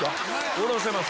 おろせます。